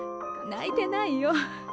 ないてないよ。